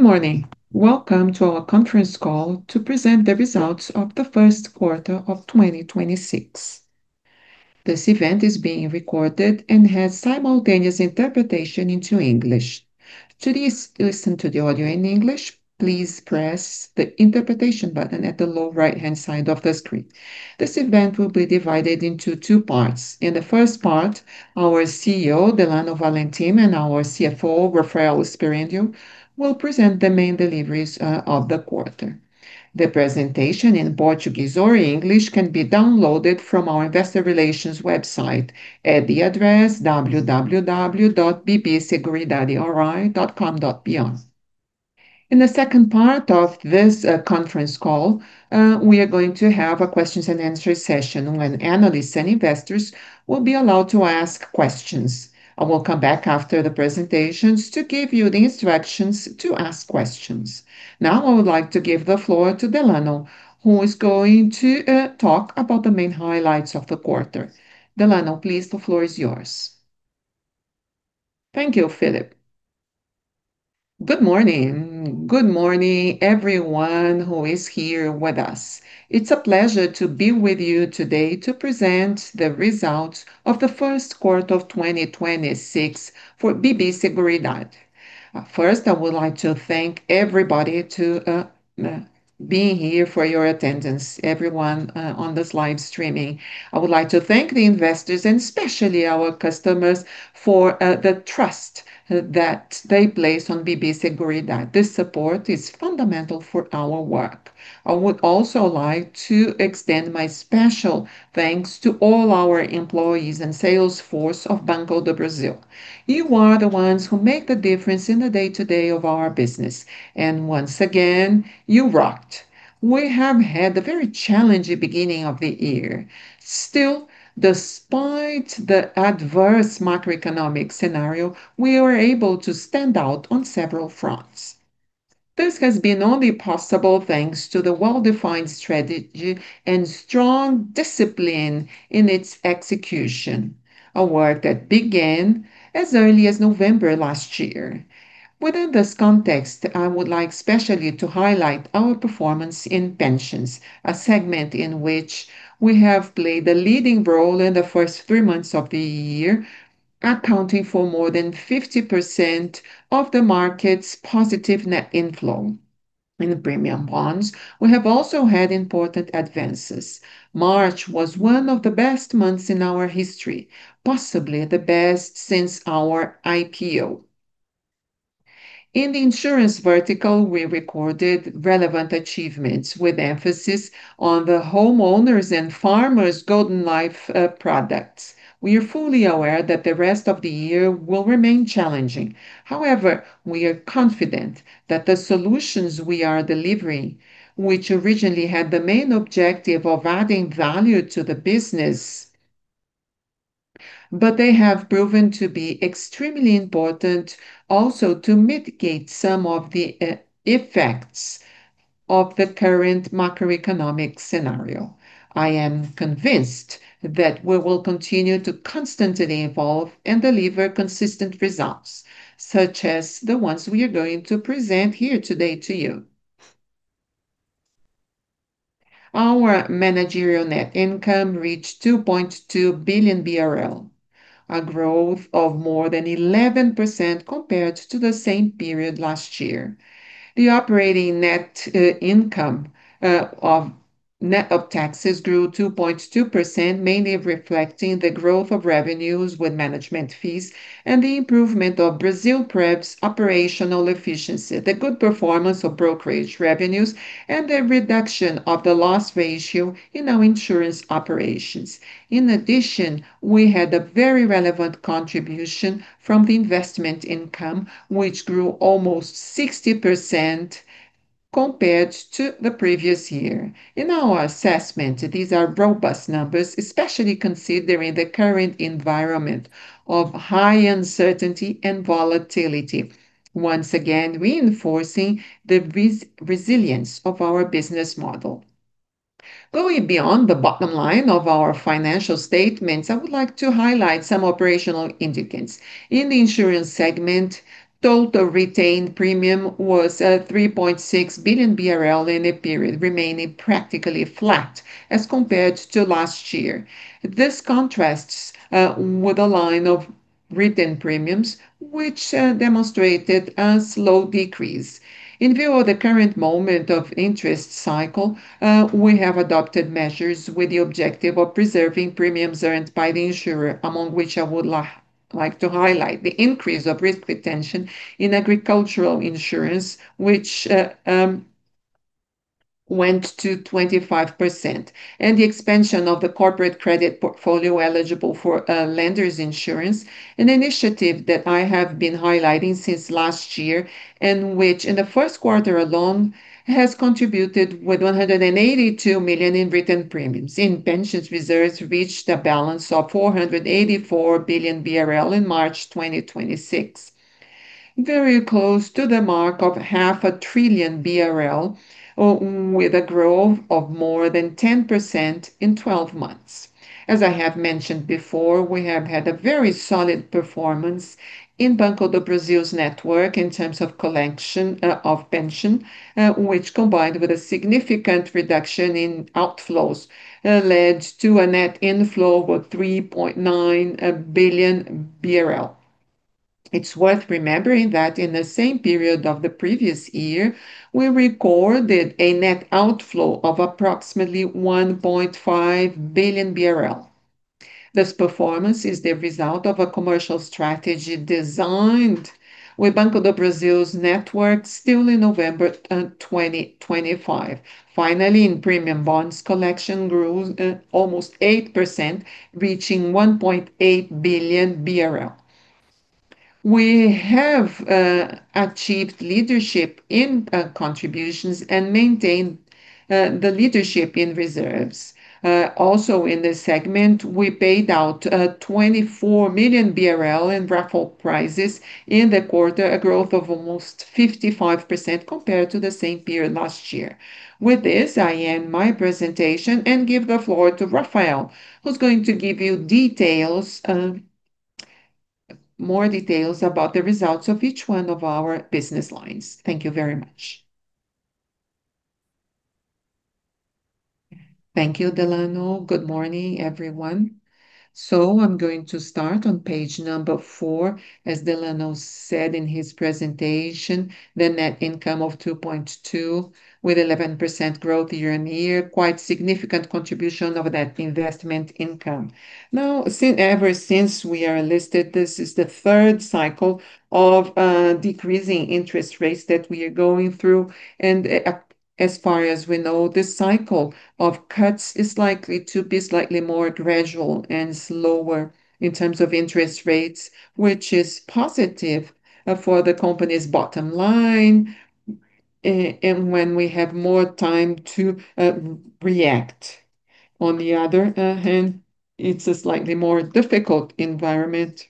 Good morning. Welcome to our conference call to present the results of the first quarter of 2026. This event is being recorded and has simultaneous interpretation into English. To listen to the audio in English, please press the interpretation button at the lower right-hand side of the screen. This event will be divided into two parts. In the first part, our CEO, Delano Valentim, and our CFO, Rafael Sperendio, will present the main deliveries of the quarter. The presentation in Portuguese or English can be downloaded from our investor relations website at the address www.bbseguridaderi.com.br. In the second part of this conference call, we are going to have a questions and answer session when analysts and investors will be allowed to ask questions. I will come back after the presentations to give you the instructions to ask questions. I would like to give the floor to Delano, who is going to talk about the main highlights of the quarter. Delano, please, the floor is yours. Thank you, Felipe. Good morning. Good morning, everyone who is here with us. It's a pleasure to be with you today to present the results of the first quarter of 2026 for BB Seguridade. First, I would like to thank everybody to being here for your attendance, everyone, on this live streaming. I would like to thank the investors and especially our customers for the trust that they place on BB Seguridade. This support is fundamental for our work. I also would like to extend my special thanks to all our employees and sales force of Banco do Brasil. You are the ones who make the difference in the day-to-day of our business, once again, you rocked. We have had a very challenging beginning of the year. Despite the adverse macroeconomic scenario, we were able to stand out on several fronts. This has been only possible thanks to the well-defined strategy and strong discipline in its execution, a work that began as early as November last year. Within this context, I would like especially to highlight our performance in pensions, a segment in which we have played a leading role in the first three months of the year, accounting for more than 50% of the market's positive net inflow. In premium bonds, we have also had important advances. March was one of the best months in our history, possibly the best since our IPO. In the insurance vertical, we recorded relevant achievements with emphasis on the homeowners and farmers' Golden Life products. We are fully aware that the rest of the year will remain challenging. We are confident that the solutions we are delivering, which originally had the main objective of adding value to the business, but they have proven to be extremely important also to mitigate some of the effects of the current macroeconomic scenario. I am convinced that we will continue to constantly evolve and deliver consistent results, such as the ones we are going to present here today to you. Our managerial net income reached 2.2 billion BRL, a growth of more than 11% compared to the same period last year. The operating net income, net of taxes grew 2.2%, mainly reflecting the growth of revenues with management fees and the improvement of Brasilprev's operational efficiency, the good performance of brokerage revenues, and the reduction of the loss ratio in our insurance operations. In addition, we had a very relevant contribution from the investment income, which grew almost 60% compared to the previous year. In our assessment, these are robust numbers, especially considering the current environment of high uncertainty and volatility, once again, reinforcing the resilience of our business model. Going beyond the bottom line of our financial statements, I would like to highlight some operational indicators. In the insurance segment, total retained premium was 3.6 billion BRL in the period, remaining practically flat as compared to last year. This contrasts with a line of written premiums which demonstrated a slow decrease. In view of the current moment of interest cycle, we have adopted measures with the objective of preserving premiums earned by the insurer, among which I would like to highlight the increase of risk retention in agricultural insurance, which went to 25%, and the expansion of the corporate credit portfolio eligible for a lender's insurance, an initiative that I have been highlighting since last year and which in the first quarter alone has contributed with 182 million in written premiums. Pensions reserves reached a balance of 484 billion BRL in March 2026, very close to the mark of half a trillion BRL, with a growth of more than 10% in 12 months. As I have mentioned before, we have had a very solid performance in Banco do Brasil's network in terms of collection of pension, which combined with a significant reduction in outflows, led to a net inflow of 3.9 billion BRL. It's worth remembering that in the same period of the previous year, we recorded a net outflow of approximately 1.5 billion BRL. This performance is the result of a commercial strategy designed with Banco do Brasil's network still in November 2025. Finally, in premium bonds, collection grew almost 8%, reaching 1.8 billion BRL. We have achieved leadership in contributions and maintained the leadership in reserves. Also in this segment, we paid out 24 million BRL in raffle prizes in the quarter, a growth of almost 55% compared to the same period last year. With this, I end my presentation and give the floor to Rafael, who's going to give you more details about the results of each one of our business lines. Thank you very much. Thank you, Delano. Good morning, everyone. I'm going to start on page number four. As Delano said in his presentation, the net income of 2.2 billion with 11% growth year-on-year, quite significant contribution of that investment income. Ever since we are listed, this is the third cycle of decreasing interest rates that we are going through. As far as we know, this cycle of cuts is likely to be slightly more gradual and slower in terms of interest rates, which is positive for the company's bottom line, and when we have more time to react. On the other hand, it's a slightly more difficult environment,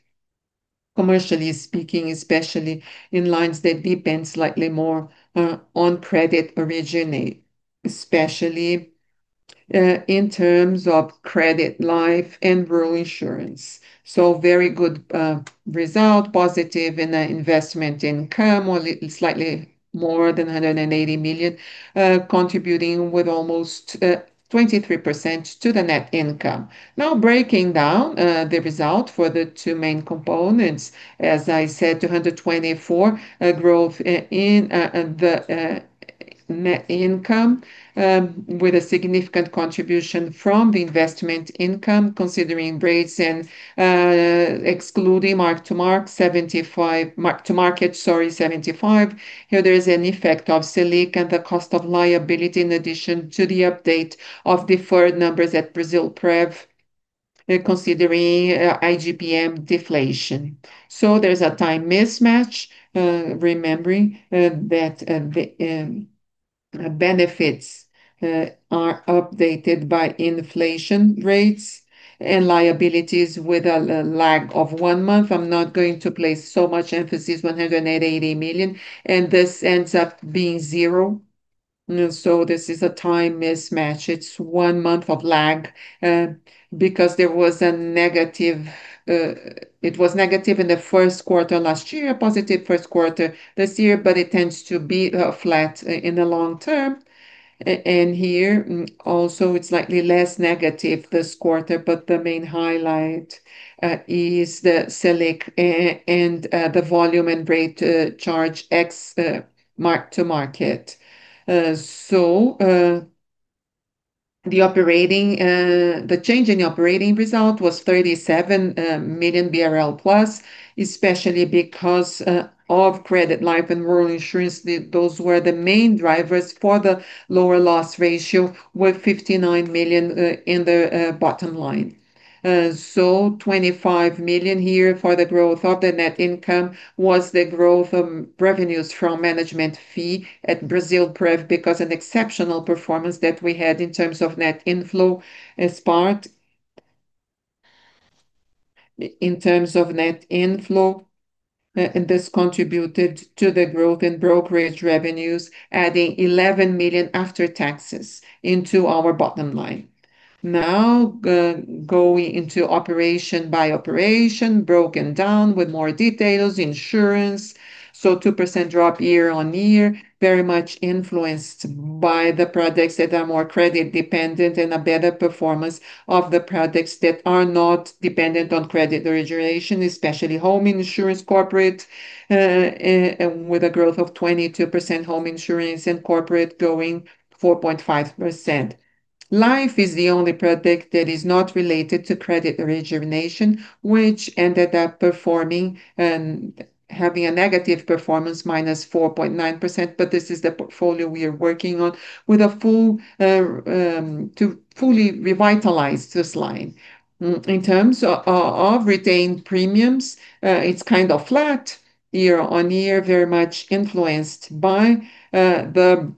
commercially speaking, especially in lines that depend slightly more on credit origination, especially in terms of credit, life insurance, and rural insurance. Very good result, positive in the investment income, or slightly more than 180 million, contributing with almost 23% to the net income. Breaking down the result for the two main components, as I said, 224, growth in the net income, with a significant contribution from the investment income considering rates and, excluding mark to market, sorry, 75. Here there is an effect of Selic and the cost of liability in addition to the update of deferred numbers at Brasilprev, considering IGPM deflation. There's a time mismatch, remembering that the benefits are updated by inflation rates and liabilities with a lag of 1 month. I'm not going to place so much emphasis, 180 million, and this ends up being zero. This is a time mismatch. It's one month of lag, because there was a negative. It was negative in the first quarter last year, positive first quarter this year, but it tends to be flat in the long term. Here, also it's slightly less negative this quarter, but the main highlight is the Selic and the volume and rate charge mark to market. The operating, the change in operating result was 37 million BRL plus, especially because of credit life insurance, and rural insurance. Those were the main drivers for the lower loss ratio with 59 million in the bottom line. 25 million here for the growth of the net income was the growth of revenues from management fee at Brasilprev because an exceptional performance that we had in terms of net inflow, this contributed to the growth in brokerage revenues, adding 11 million after taxes into our bottom line. Now, going into operation by operation, broken down with more details. Insurance, a 2% drop year-on-year, very much influenced by the products that are more credit-dependent and a better performance of the products that are not dependent on credit origination, especially Home insurance Corporate, with a growth of 22% Home insurance and Corporate growing 4.5%. Life is the only product that is not related to credit origination, which ended up performing, having a negative performance, -4.9%. This is the portfolio we are working on to fully revitalize this line. Of retained premiums, it's kind of flat year-on-year, very much influenced by the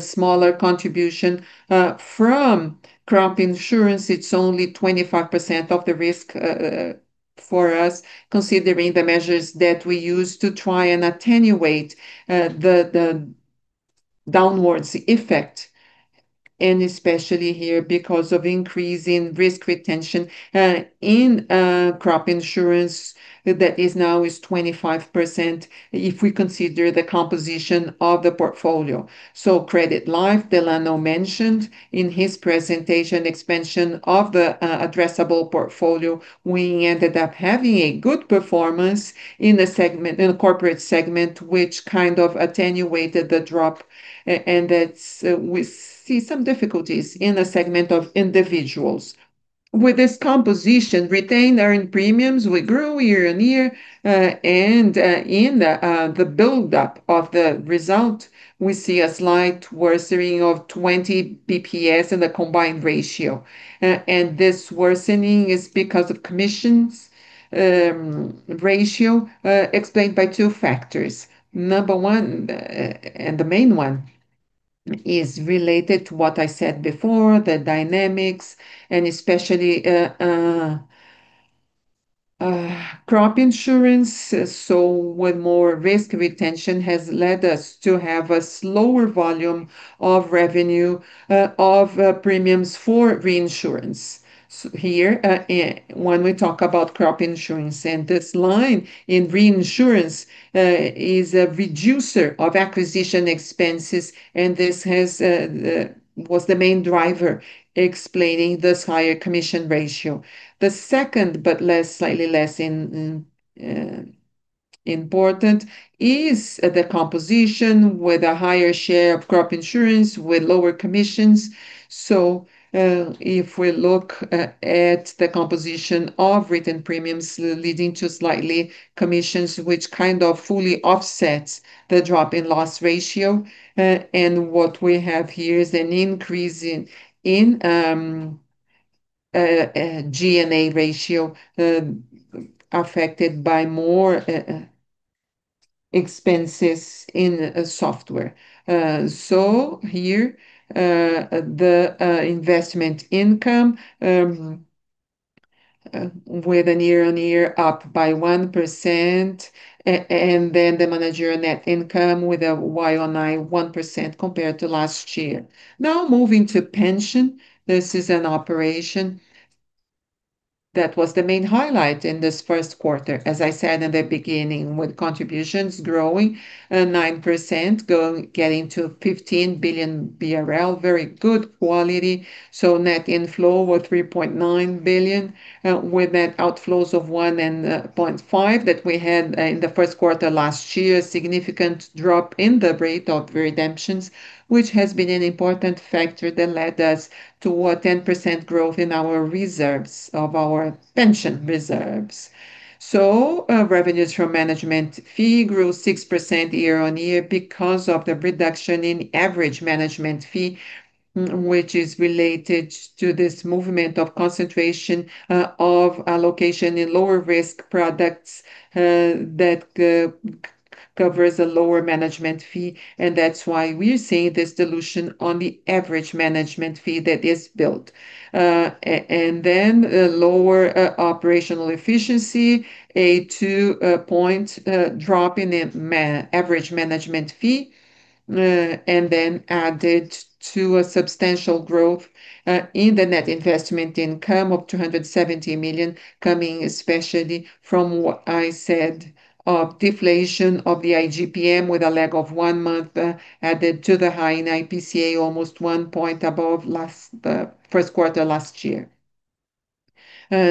smaller contribution from crop insurance. It's only 25% of the risk for us, considering the measures that we use to try and attenuate the downwards effect. Especially here because of increase in risk retention in crop insurance that is now 25% if we consider the composition of the portfolio. Credit life, Delano mentioned in his presentation, expansion of the addressable portfolio. We ended up having a good performance in the segment, in the corporate segment, which kind of attenuated the drop and that's, we see some difficulties in the segment of individuals. With this composition, retained earned premiums, we grew year-on-year, and in the buildup of the result, we see a slight worsening of 20 basis points in the combined ratio. This worsening is because of commissions ratio, explained by two factors. Number one, the main one is related to what I said before, the dynamics and especially crop insurance. With more risk retention has led us to have a slower volume of revenue of premiums for reinsurance. Here, when we talk about crop insurance, and this line in reinsurance, is a reducer of acquisition expenses, and this has, the, was the main driver explaining this higher commission ratio. The second, but less, slightly less important, is the composition with a higher share of crop insurance with lower commissions. If we look at the composition of written premiums leading to slightly commissions, which kind of fully offsets the drop in loss ratio, and what we have here is an increase in G&A ratio, affected by more expenses in a software. Here, the investment income, with a year-on-year up by 1%, and then the managerial net income with a Y on I 1% compared to last year. Moving to pension, this is an operation that was the main highlight in this first quarter, as I said in the beginning, with contributions growing, 9%, getting to 15 billion BRL, very good quality. Net inflow of 3.9 billion, with net outflows of 1.5 billion that we had, in the first quarter last year, significant drop in the rate of redemptions, which has been an important factor that led us to a 10% growth in our reserves, of our pension reserves. Revenues from management fee grew 6% year-on-year because of the reduction in average management fee, which is related to this movement of concentration, of allocation in lower-risk products, that covers a lower management fee, and that's why we're seeing this dilution on the average management fee that is built. And then a lower operational efficiency, a two-point drop in the average management fee, and then added to a substantial growth in the net investment income of 270 million coming especially from what I said of deflation of the IGPM with a lag of 1 month, added to the high in IPCA, almost one point above last first quarter last year.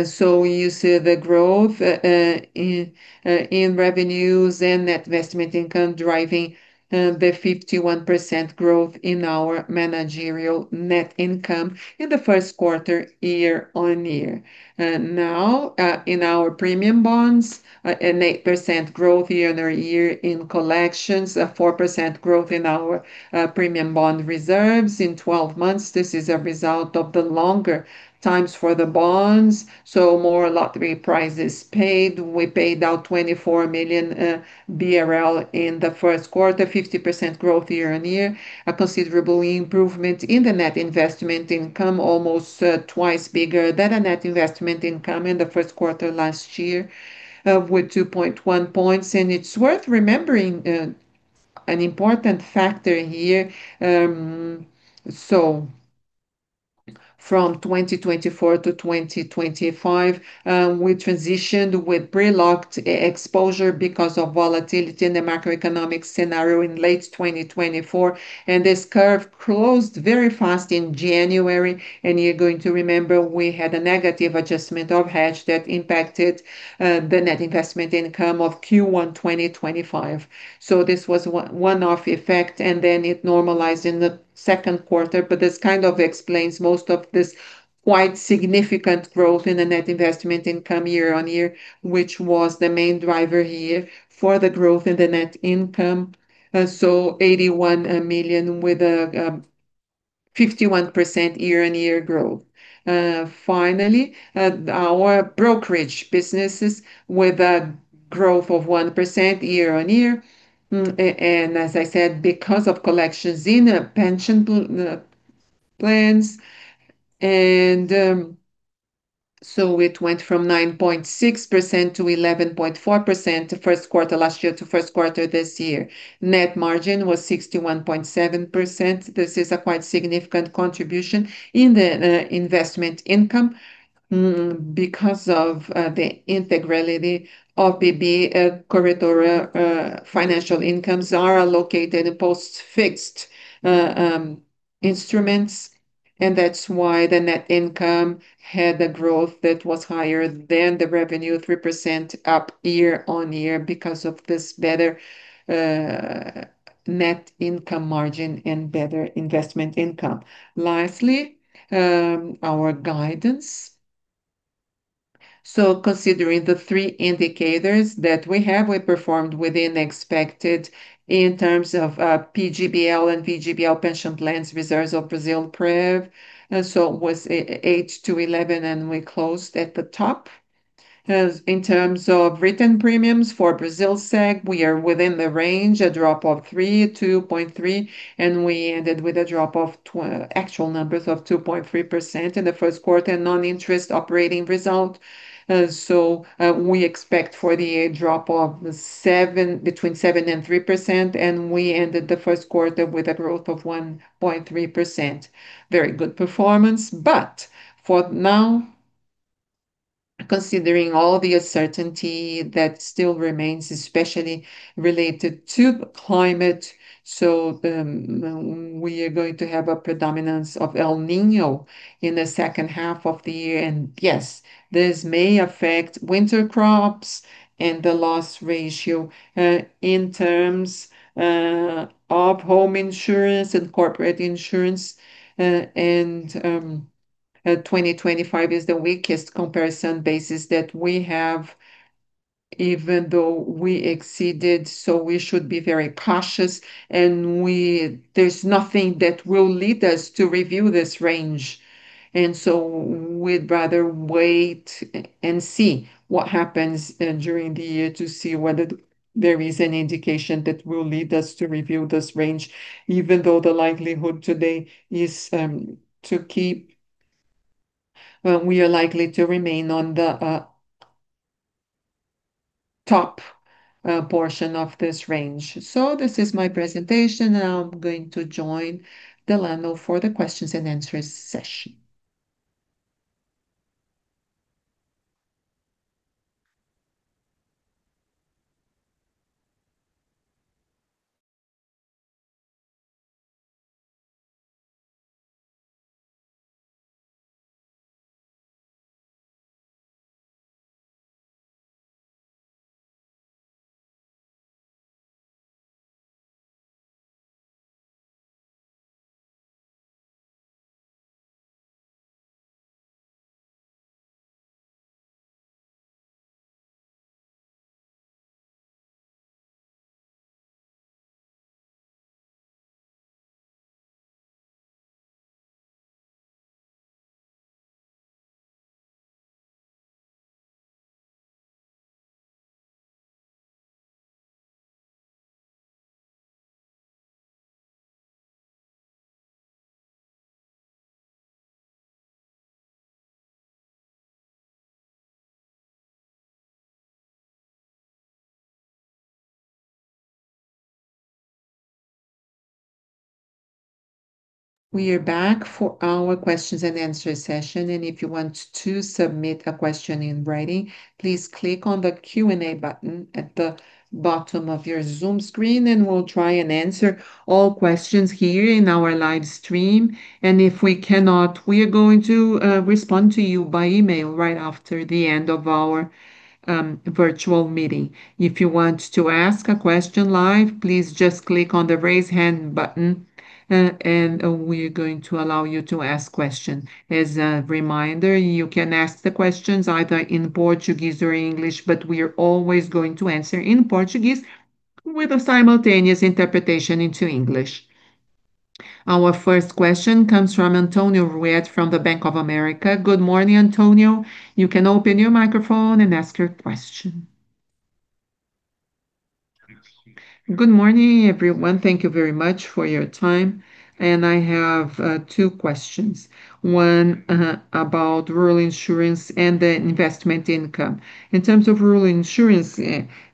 So you see the growth in revenues and net investment income driving the 51% growth in our managerial net income in the first quarter year-on-year. Now, in our premium bonds, an 8% growth year-on-year in collections, a 4% growth in our premium bond reserves in 12 months. This is a result of the longer times for the bonds, more lottery prizes paid. We paid out 24 million BRL in the first quarter, 50% growth year-on-year, a considerable improvement in the net investment income, almost twice bigger than the net investment income in the first quarter last year, with 2.1 points. It's worth remembering an important factor here. From 2024 to 2025, we transitioned with pre-locked exposure because of volatility in the macroeconomic scenario in late 2024, and this curve closed very fast in January, and you are going to remember we had a negative adjustment of hedge that impacted the net investment income of Q1 2025. This was one-off effect, and then it normalized in the second quarter, but this kind of explains most of this quite significant growth in the net investment income year-over-year, which was the main driver here for the growth in the net income. 81 million with a 51% year-over-year growth. Finally, our brokerage businesses with a growth of 1% year-over-year. As I said, because of collections in pension plans, it went from 9.6%-11.4% the first quarter last year to first quarter this year. Net margin was 61.7%. This is a quite significant contribution in the investment income, because of the integrality of BB Corretora, financial incomes are allocated post-fixed instruments. That's why the net income had a growth that was higher than the revenue, 3% up year-on-year because of this better net income margin and better investment income. Lastly, our guidance. Considering the three indicators that we have, we performed within expected in terms of PGBL and VGBL pension plans reserves of Brasilprev, was eight-11, we closed at the top. In terms of written premiums for Brasilseg, we are within the range, a drop of 3%, 2.3%, and we ended with a drop of 2.3% in the first quarter non-interest operating result. We expect for the year a drop of 7%, between 7% and 3%, and we ended the first quarter with a growth of 1.3%. Very good performance. For now, considering all the uncertainty that still remains, especially related to climate, we are going to have a predominance of El Niño in the second half of the year. This may affect winter crops and the loss ratio, in terms of home insurance and corporate insurance. 2025 is the weakest comparison basis that we have, even though we exceeded, we should be very cautious. There's nothing that will lead us to review this range. We'd rather wait and see what happens during the year to see whether there is any indication that will lead us to review this range, even though the likelihood today is, we are likely to remain on the top portion of this range. This is my presentation, and I'm going to join Delano for the questions and answers session. We are back for our questions and answers session, and if you want to submit a question in writing, please click on the Q&A button at the bottom of your Zoom screen, and we'll try and answer all questions here in our live stream. If we cannot, we are going to respond to you by email right after the end of our virtual meeting. If you want to ask a question live, please just click on the Raise Hand button, and we are going to allow you to ask question. As a reminder, you can ask the questions either in Portuguese or English, but we are always going to answer in Portuguese with a simultaneous interpretation into English. Our first question comes from Antonio Ruette from Bank of America. Good morning, Antonio. You can open your microphone and ask your question. Good morning, everyone. Thank you very much for your time. I have two questions, one about rural insurance and the investment income. In terms of rural insurance,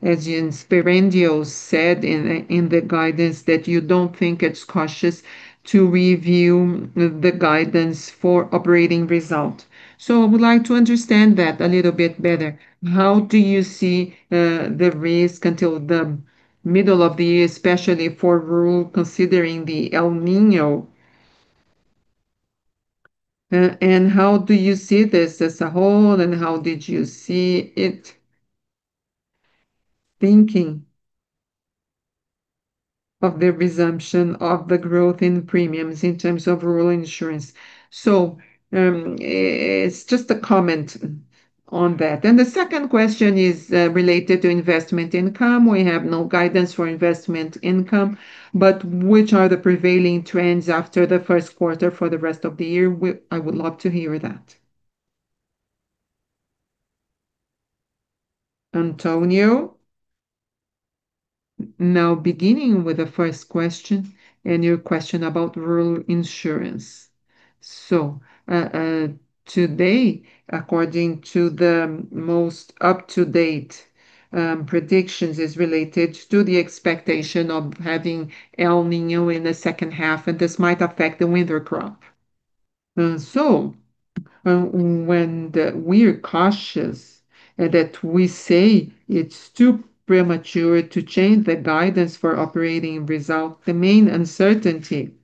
as you, Sperendio said in the guidance that you don't think it's cautious to review the guidance for operating result. I would like to understand that a little bit better. How do you see the risk until the middle of the year, especially for rural, considering the El Niño? How do you see this as a whole, and how did you see it thinking of the resumption of the growth in premiums in terms of rural insurance? It's just a comment on that. The second question is related to investment income. We have no guidance for investment income, but which are the prevailing trends after the first quarter for the rest of the year? I would love to hear that. Antonio, now beginning with the first question, and your question about rural insurance. Today, according to the most up-to-date predictions, is related to the expectation of having El Niño in the second half, and this might affect the winter crop. We're cautious, and that we say it's too premature to change the guidance for operating result. The main uncertainty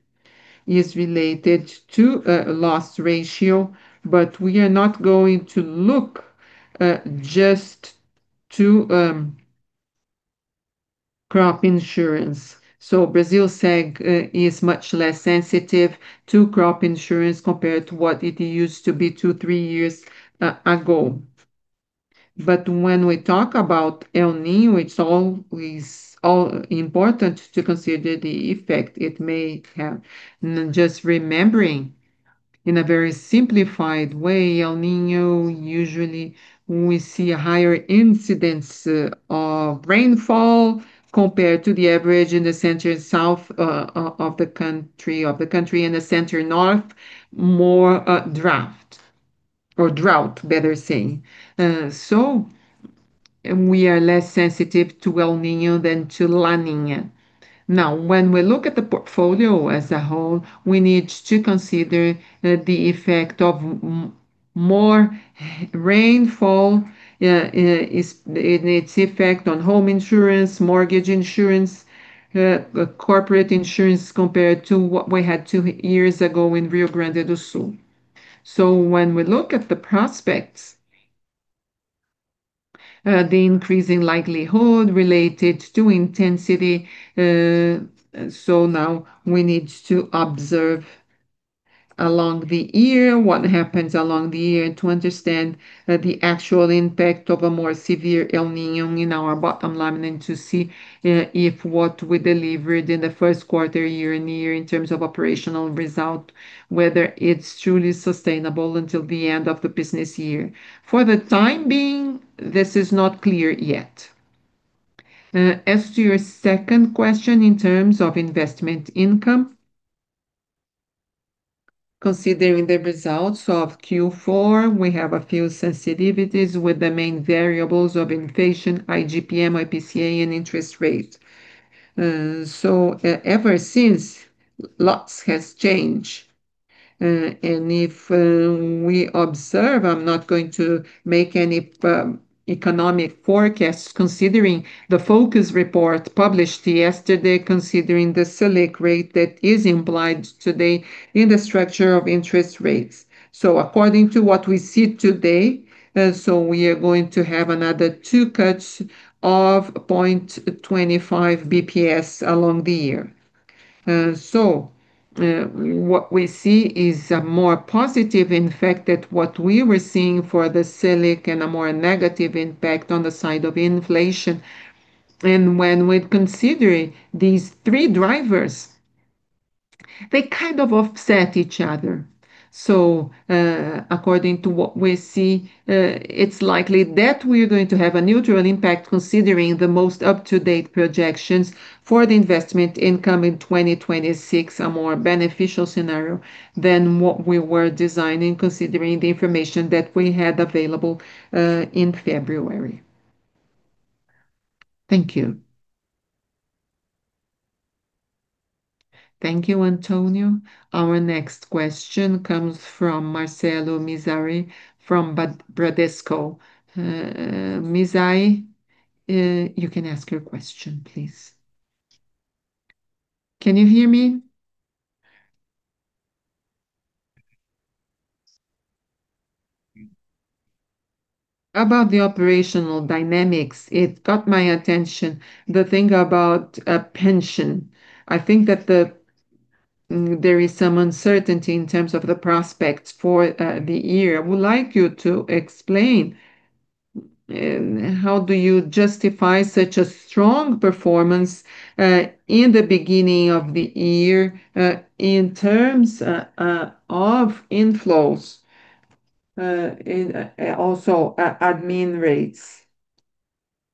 is related to a loss ratio, we are not going to look just to crop insurance. Brasilseg is much less sensitive to crop insurance compared to what it used to be two, three years ago. When we talk about El Niño, it's always, all important to consider the effect it may have. Just remembering, in a very simplified way, El Niño usually we see a higher incidence of rainfall compared to the average in the center south of the country. In the center north, more drought, better saying. We are less sensitive to El Niño than to La Niña. When we look at the portfolio as a whole, we need to consider the effect of more rainfall and its effect on home insurance, mortgage insurance, corporate insurance, compared to what we had two years ago in Rio Grande do Sul. When we look at the prospects, the increasing likelihood related to intensity, now we need to observe along the year what happens along the year to understand the actual impact of a more severe El Niño in our bottom line, and to see if what we delivered in the first quarter year-on-year in terms of operational result, whether it's truly sustainable until the end of the business year. For the time being, this is not clear yet. As to your second question in terms of investment income, considering the results of Q4, we have a few sensitivities with the main variables of inflation, IGPM, IPCA, and interest rates. Ever since, lots has changed. If we observe, I'm not going to make any economic forecasts considering the Focus Report published yesterday considering the Selic rate that is implied today in the structure of interest rates. According to what we see today, we are going to have another two cuts of 0.25 BPS along the year. What we see is a more positive effect that what we were seeing for the Selic, and a more negative impact on the side of inflation. And when we're considering these three drivers, they kind of offset each other. According to what we see, it's likely that we're going to have a neutral impact considering the most up-to-date projections for the investment income in 2026, a more beneficial scenario than what we were designing considering the information that we had available in February. Thank you. Thank you, Antonio. Our next question comes from Marcelo Mizrahi from Bradesco. Mizrahi, you can ask your question, please. Can you hear me? About the operational dynamics, it got my attention the thing about a pension. I think that there is some uncertainty in terms of the prospects for the year. I would like you to explain how do you justify such a strong performance in the beginning of the year in terms of inflows and also admin rates.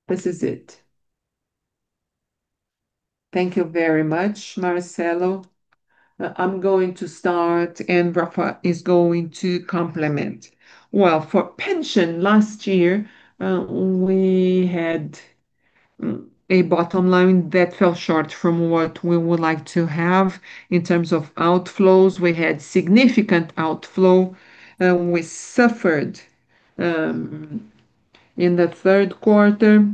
This is it. Thank you very much, Marcelo. I'm going to start, and Rafa is going to complement. For pension, last year, we had a bottom line that fell short from what we would like to have. In terms of outflows, we had significant outflow, we suffered in the third quarter,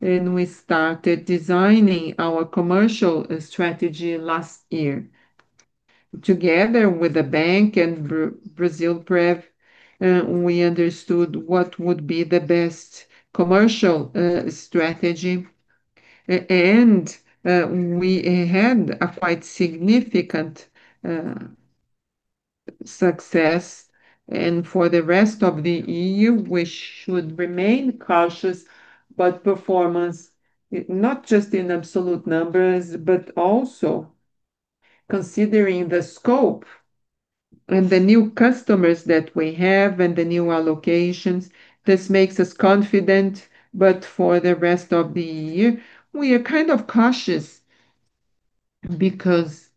we started designing our commercial strategy last year. Together with the bank and Brasilprev, we understood what would be the best commercial strategy, we had a quite significant success. For the rest of the year, we should remain cautious, but performance, not just in absolute numbers, but Considering the scope and the new customers that we have and the new allocations, this makes us confident. For the rest of the year, we are kind of cautious because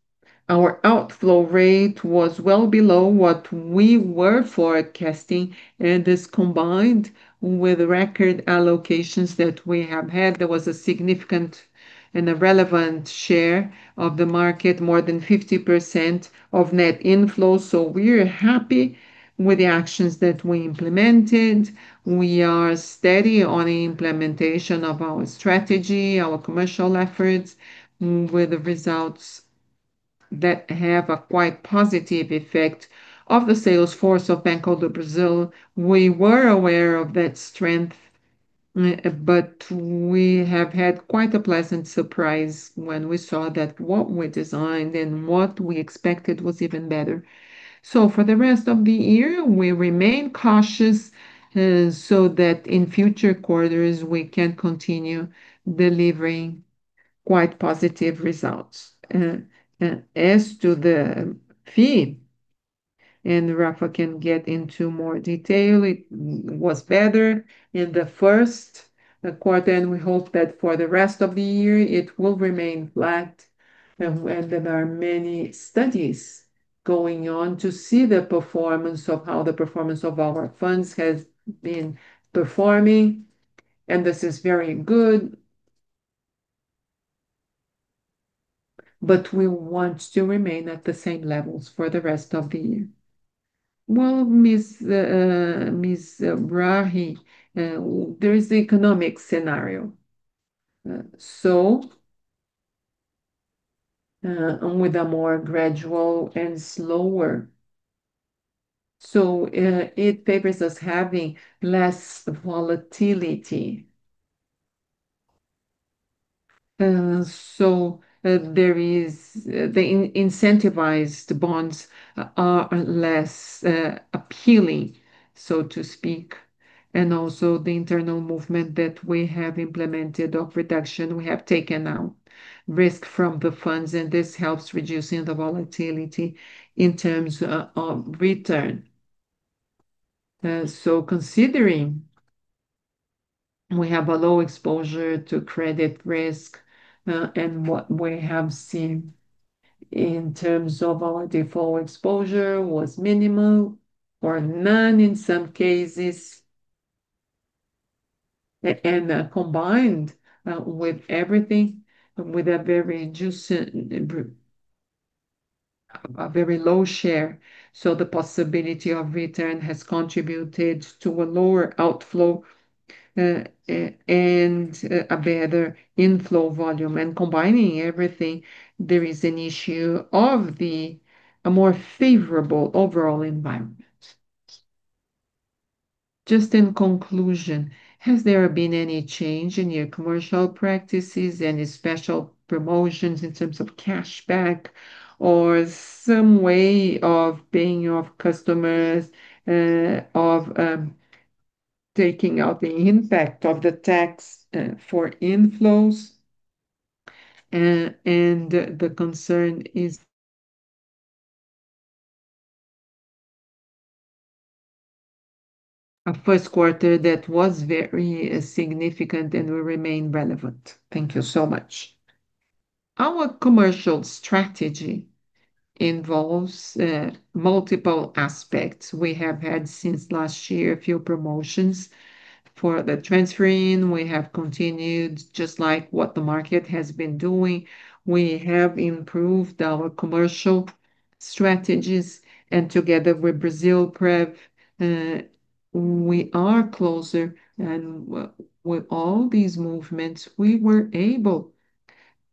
our outflow rate was well below what we were forecasting, and this combined with record allocations that we have had. There was a significant and a relevant share of the market, more than 50% of net inflows. We're happy with the actions that we implemented. We are steady on the implementation of our strategy, our commercial efforts, with the results that have a quite positive effect of the sales force of Banco do Brasil. We were aware of that strength, but we have had quite a pleasant surprise when we saw that what we designed and what we expected was even better. For the rest of the year, we remain cautious, so that in future quarters we can continue delivering quite positive results. As to the fee, Rafa can get into more detail, it was better in the first quarter. We hope that for the rest of the year it will remain flat. There are many studies going on to see the performance of how the performance of our funds has been performing. This is very good. We want to remain at the same levels for the rest of the year. Well, Mizrahi, there is the economic scenario. With a more gradual and slower, it favors us having less volatility. There is the incentivized bonds are less appealing, so to speak. Also the internal movement that we have implemented of reduction. We have taken out risk from the funds, and this helps reducing the volatility in terms of return. Considering we have a low exposure to credit risk, and what we have seen in terms of our default exposure was minimal or none in some cases. Combined with everything, with a very low share, so the possibility of return has contributed to a lower outflow, and a better inflow volume. Combining everything, there is an issue of a more favorable overall environment. Just in conclusion, has there been any change in your commercial practices, any special promotions in terms of cash back or some way of paying off customers, of taking out the impact of the tax for inflows? The concern is a first quarter that was very significant and will remain relevant. Thank you so much. Our commercial strategy involves multiple aspects. We have had since last year a few promotions for the transferring. We have continued just like what the market has been doing. We have improved our commercial strategies. Together with Brasilprev, we are closer. With all these movements, we were able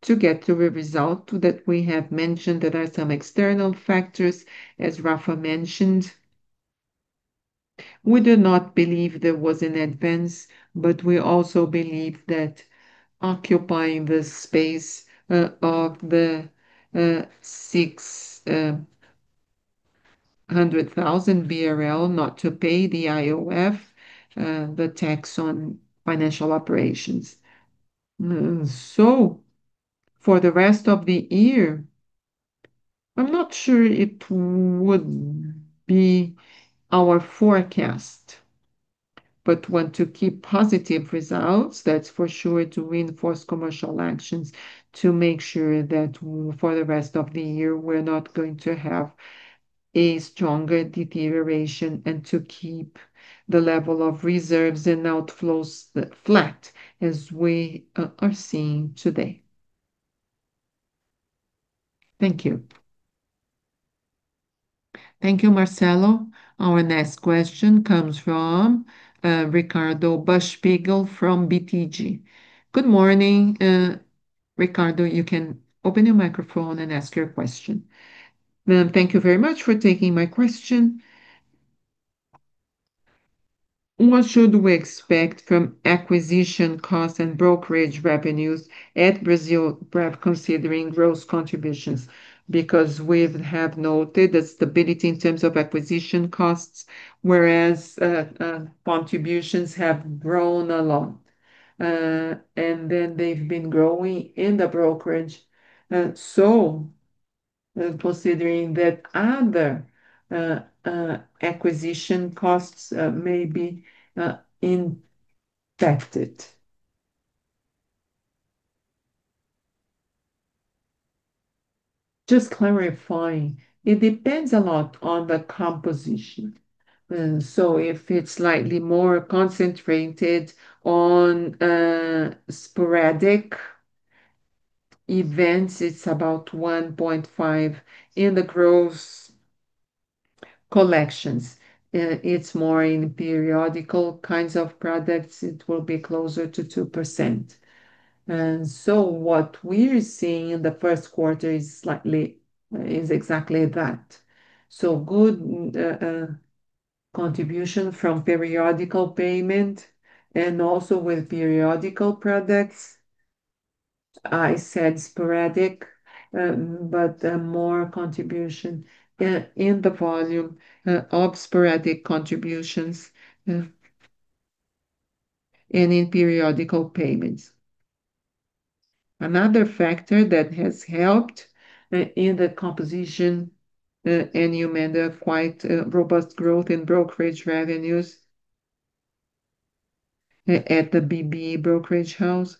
to get to a result that we have mentioned. There are some external factors, as Rafa mentioned. We do not believe there was an advance, but we also believe that occupying the space of the 600,000 BRL not to pay the IOF, the tax on financial operations. For the rest of the year, I'm not sure it would be our forecast, but want to keep positive results, that's for sure, to reinforce commercial actions to make sure that for the rest of the year we're not going to have a stronger deterioration and to keep the level of reserves and outflows flat as we are seeing today. Thank you. Thank you, Marcelo. Our next question comes from Ricardo Buchpiguel from BTG. Good morning, Ricardo. You can open your microphone and ask your question. Thank you very much for taking my question. What should we expect from acquisition costs and brokerage revenues at Brasilprev considering growth contributions? Because we've noted the stability in terms of acquisition costs, whereas contributions have grown a lot. They've been growing in the brokerage, considering that other acquisition costs may be impacted. Just clarifying, it depends a lot on the composition. If it's slightly more concentrated on sporadic events, it's about 1.5% in the gross collections. It's more in periodical kinds of products, it will be closer to 2%. What we're seeing in the first quarter is slightly is exactly that. Good contribution from periodical payment, and also with periodical products. I said sporadic, more contribution in the volume of sporadic contributions and in periodical payments. Another factor that has helped in the composition, you mentioned quite a robust growth in brokerage revenues at the BB brokerage house.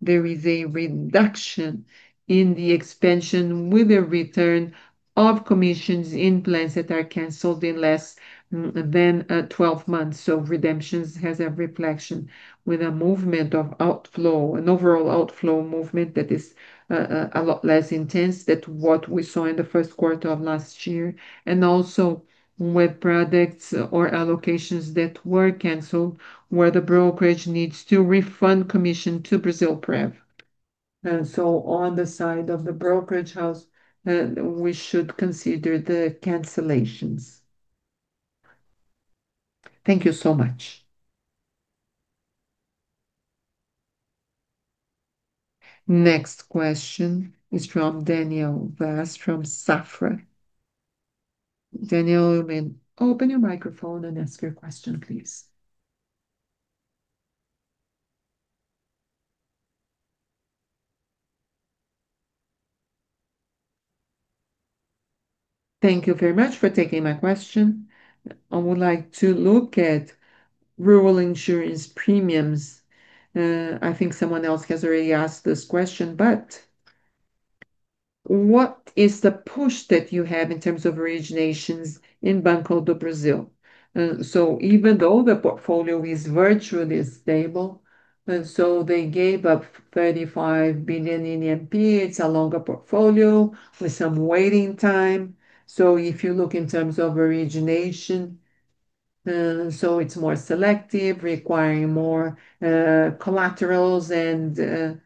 There is a reduction in the expansion with a return of commissions in plans that are canceled in less than 12 months. Redemptions has a reflection with a movement of outflow, an overall outflow movement that is a lot less intense than what we saw in the first quarter of last year, and also with products or allocations that were canceled, where the brokerage needs to refund commission to Brasilprev. On the side of the brokerage house, we should consider the cancellations. Thank you so much. Next question is from Daniel Vaz from Safra. Daniel, you may open your microphone and ask your question, please. Thank you very much for taking my question. I would like to look at rural insurance premiums. I think someone else has already asked this question, but what is the push that you have in terms of originations in Banco do Brasil? Even though the portfolio is virtually stable, and so they gave up 35 billion in Pronampe, it's a longer portfolio with some waiting time. If you look in terms of origination, it's more selective, requiring more collaterals and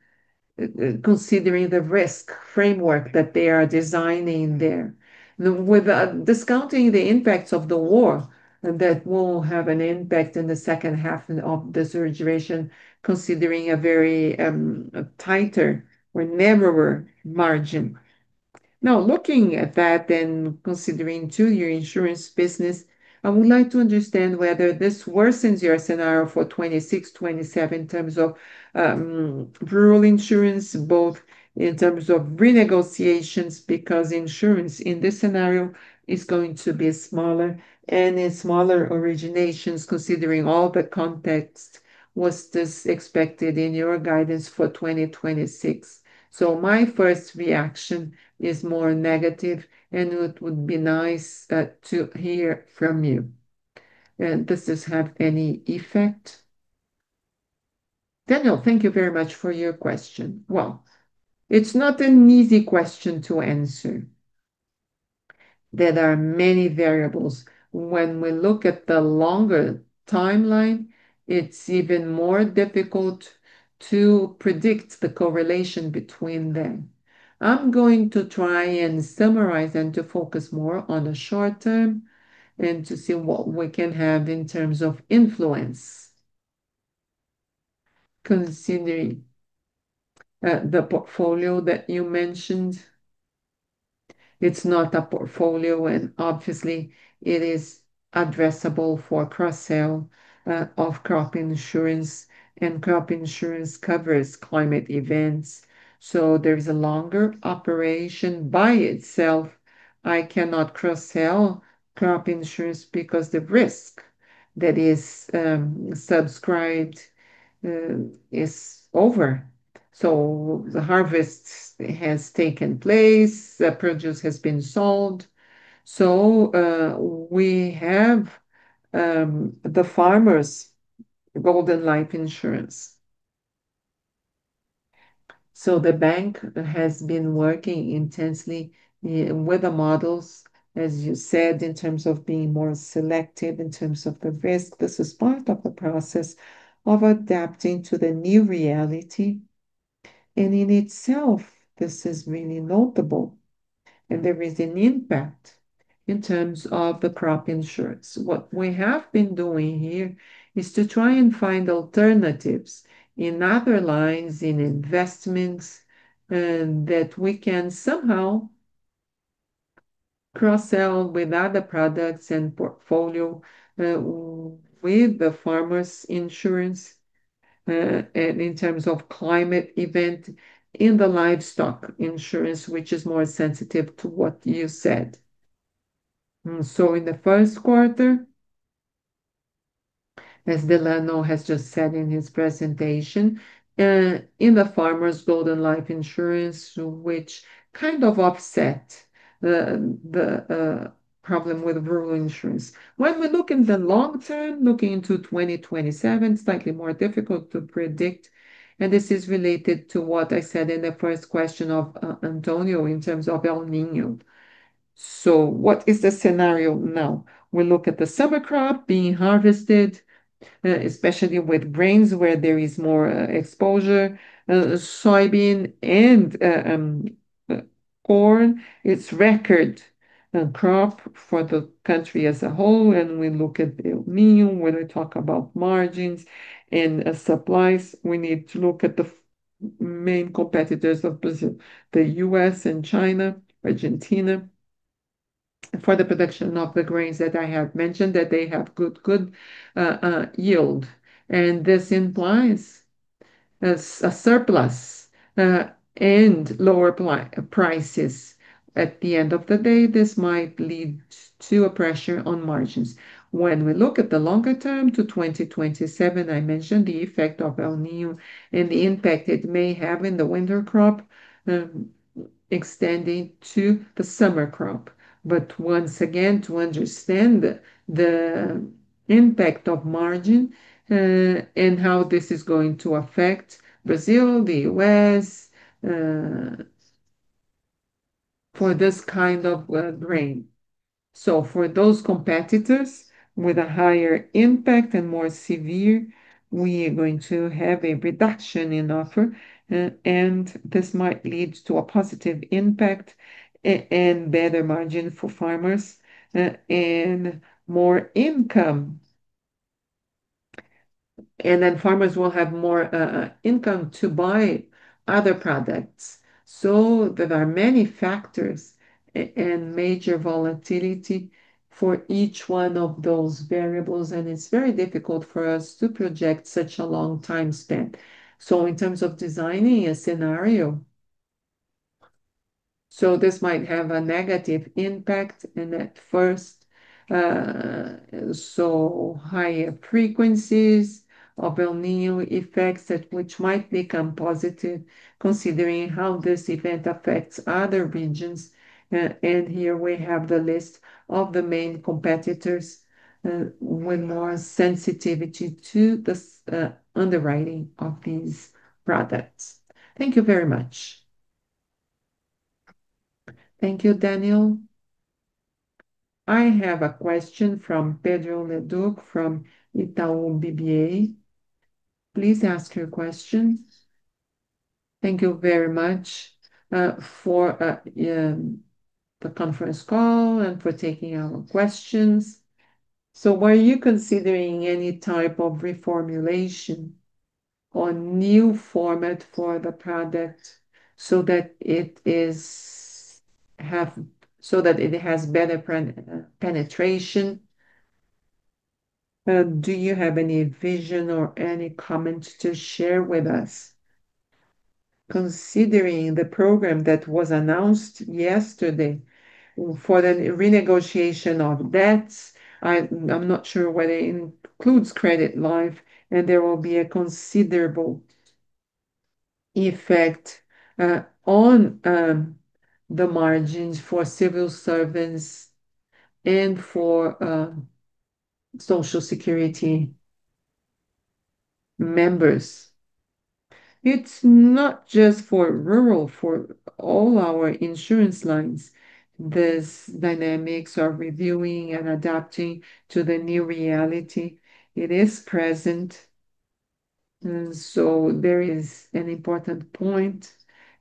considering the risk framework that they are designing there. With discounting the impacts of the war, that will have an impact in the second half of this origination, considering a very tighter or narrower margin. Looking at that and considering too your insurance business, I would like to understand whether this worsens your scenario for 2026, 2027 in terms of rural insurance, both in terms of renegotiations, because insurance in this scenario is going to be smaller, and in smaller originations, considering all the context, was this expected in your guidance for 2026? My first reaction is more negative, and it would be nice to hear from you. Does this have any effect? Daniel, thank you very much for your question. Well, it's not an easy question to answer. There are many variables. When we look at the longer timeline, it's even more difficult to predict the correlation between them. I'm going to try and summarize and to focus more on the short term and to see what we can have in terms of influence. Considering the portfolio that you mentioned, it's not a portfolio and obviously it is addressable for cross-sell of crop insurance, and crop insurance covers climate events, there is a longer operation. By itself, I cannot cross-sell crop insurance because the risk that is subscribed is over. The harvest has taken place, the produce has been sold. We have the farmer's Golden Life insurance. The bank has been working intensely with the models, as you said, in terms of being more selective, in terms of the risk. This is part of the process of adapting to the new reality. In itself, this is really notable, and there is an impact in terms of the crop insurance. What we have been doing here is to try and find alternatives in other lines, in investments, that we can somehow cross-sell with other products and portfolio, with the farmers insurance, and in terms of climate event in the livestock insurance, which is more sensitive to what you said. In the first quarter, as Delano has just said in his presentation, in the farmer's Golden Life insurance, which kind of offset the problem with rural insurance. When we look in the long term, looking to 2027, slightly more difficult to predict, this is related to what I said in the first question of Antonio in terms of El Niño. What is the scenario now? We look at the summer crop being harvested, especially with rains where there is more exposure. Soybean and corn, it's record crop for the country as a whole. We look at El Niño. When we talk about margins and supplies, we need to look at the main competitors of Brazil, the U.S. and China, Argentina, for the production of the grains that I have mentioned, that they have good yield. This implies a surplus and lower prices. At the end of the day, this might lead to a pressure on margins. When we look at the longer term to 2027, I mentioned the effect of El Niño and the impact it may have in the winter crop, extending to the summer crop. Once again, to understand the impact of margin and how this is going to affect Brazil, the U.S., for this kind of rain. For those competitors with a higher impact and more severe, we are going to have a reduction in offer, and this might lead to a positive impact and better margin for farmers, and more income. Farmers will have more income to buy other products. There are many factors and major volatility for each one of those variables, and it's very difficult for us to project such a long time span. In terms of designing a scenario, this might have a negative impact in at first. Higher frequencies of El Niño effects that which might become positive considering how this event affects other regions. Here we have the list of the main competitors, with more sensitivity to the underwriting of these products. Thank you very much. Thank you, Daniel. I have a question from Pedro Leduc from Itaú BBA. Please ask your question. Thank you very much for the conference call and for taking our questions. Were you considering any type of reformulation or new format for the product so that it has better penetration? Do you have any vision or any comments to share with us? Considering the program that was announced yesterday for the renegotiation of debts, I am not sure whether it includes credit life, and there will be a considerable effect on the margins for civil servants and for Social Security members. It is not just for rural, for all our insurance lines, this dynamics are reviewing and adapting to the new reality. It is present, and there is an important point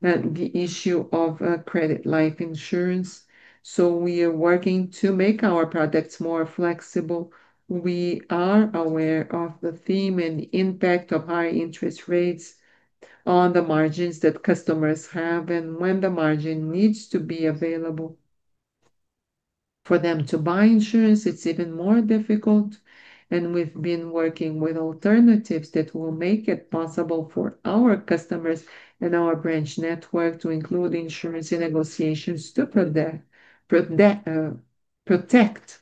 that the issue of credit life insurance. We are working to make our products more flexible. We are aware of the theme and impact of high interest rates on the margins that customers have and when the margin needs to be available. For them to buy insurance, it's even more difficult, and we've been working with alternatives that will make it possible for our customers and our branch network to include insurance in negotiations to protect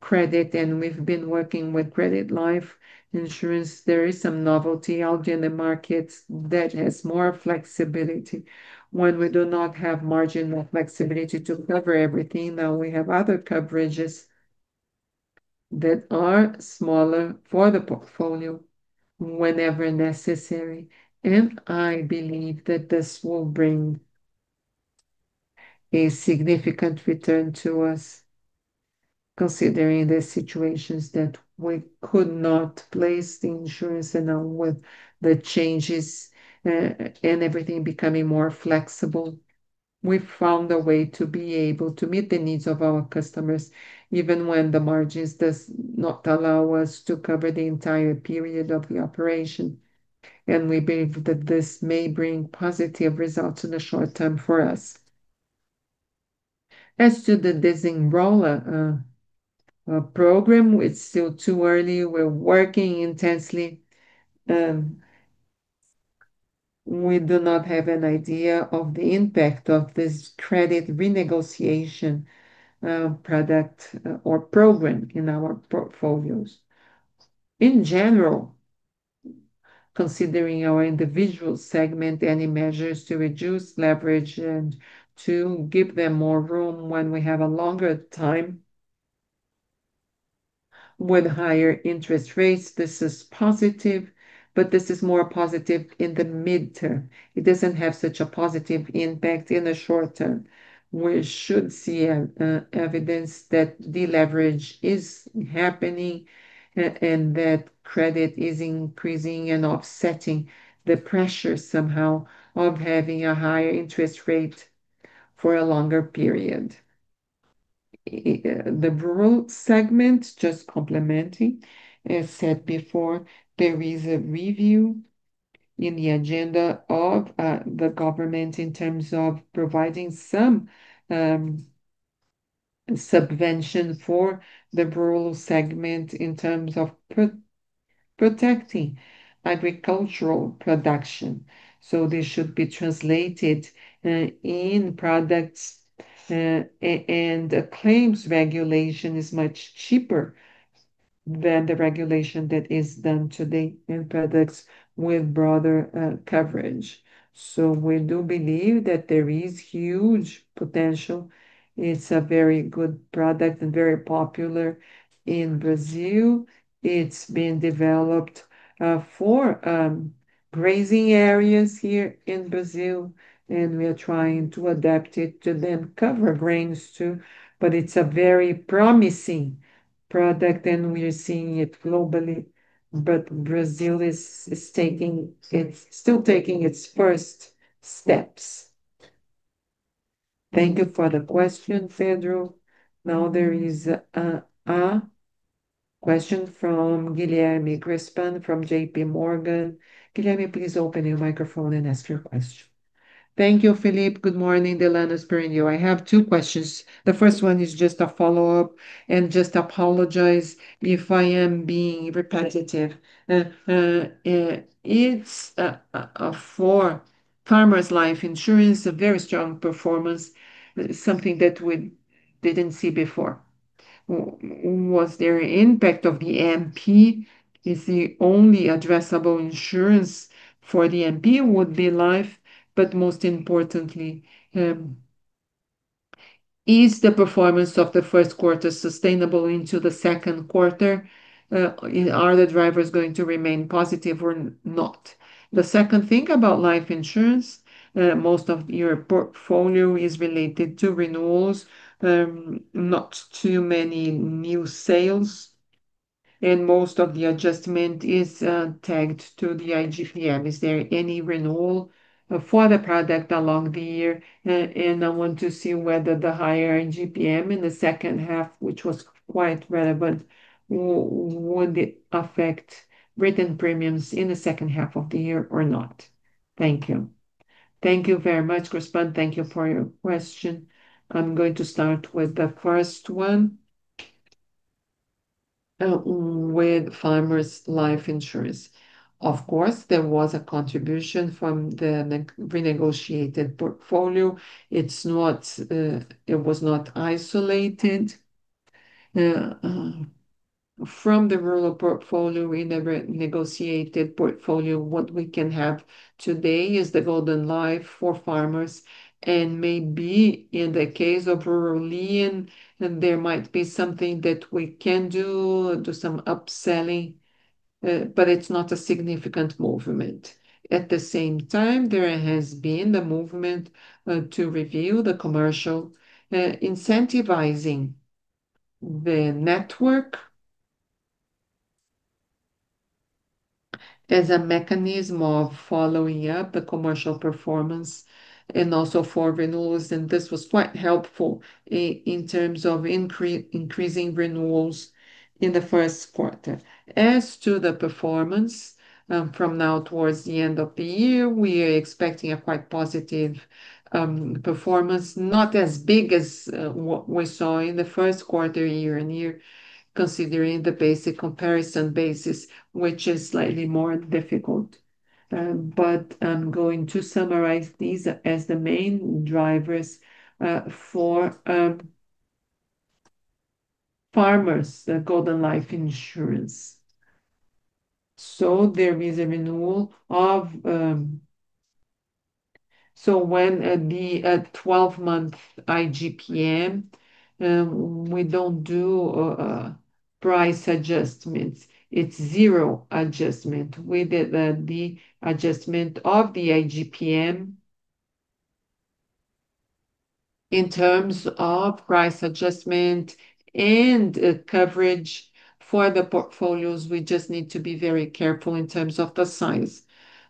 credit, and we've been working with credit life insurance. There is some novelty out in the market that has more flexibility. When we do not have margin or flexibility to cover everything, now we have other coverages that are smaller for the portfolio whenever necessary. I believe that this will bring a significant return to us considering the situations that we could not place the insurance. Now with the changes, and everything becoming more flexible, we've found a way to be able to meet the needs of our customers even when the margins does not allow us to cover the entire period of the operation. We believe that this may bring positive results in the short term for us. The Desenrola program, it's still too early. We're working intensely. We do not have an idea of the impact of this credit renegotiation product or program in our portfolios. In general, considering our individual segment, any measures to reduce leverage and to give them more room when we have a longer time with higher interest rates, this is positive, but this is more positive in the midterm. It doesn't have such a positive impact in the short term. We should see evidence that deleverage is happening and that credit is increasing and offsetting the pressure somehow of having a higher interest rate for a longer period. The rural segment, just complementing, as said before, there is a review in the agenda of the government in terms of providing some subvention for the rural segment in terms of protecting agricultural production. This should be translated in products, and a claims regulation is much cheaper than the regulation that is done today in products with broader coverage. We do believe that there is huge potential. It's a very good product and very popular in Brazil. It's been developed for grazing areas here in Brazil, and we are trying to adapt it to then cover grains too, but it's a very promising product, and we are seeing it globally. But Brazil is taking its first steps. Thank you for the question, Pedro. There is a question from Guilherme Grespan from J.P. Morgan. Guilherme, please open your microphone and ask your question. Thank you, Felipe. Good morning, Delano, Sperendio. I have two questions. The first one is just a follow-up, just apologize if I am being repetitive. It's for farmers life insurance, a very strong performance, something that we didn't see before. Was there impact of the MP? Is the only addressable insurance for the MP would be life? Most importantly, is the performance of the first quarter sustainable into the second quarter? Are the drivers going to remain positive or not? The second thing about life insurance, most of your portfolio is related to renewals, not too many new sales, and most of the adjustment is tagged to the IGPM. Is there any renewal for the product along the year? I want to see whether the higher IGPM in the second half, which was quite relevant, would it affect written premiums in the second half of the year or not? Thank you. Thank you very much, Grespan. Thank you for your question. I'm going to start with the first one, with farmers life insurance. Of course, there was a contribution from the renegotiated portfolio. It's not, it was not isolated. From the rural portfolio, renegotiated portfolio, what we can have today is the Golden Life for farmers, and maybe in the case of Rural Lien, then there might be something that we can do some upselling, but it's not a significant movement. At the same time, there has been the movement to review the commercial, incentivizing the network as a mechanism of following up the commercial performance and also for renewals, and this was quite helpful in terms of increasing renewals in the first quarter. As to the performance, from now towards the end of the year, we are expecting a quite positive performance. Not as big as what we saw in the first quarter year-over-year, considering the basic comparison basis, which is slightly more difficult. I'm going to summarize these as the main drivers for farmers, the Golden Life insurance. There is a renewal of. When the 12-month IGPM, we don't do price adjustments. It's zero adjustment. With the adjustment of the IGPM in terms of price adjustment and coverage for the portfolios, we just need to be very careful in terms of the size.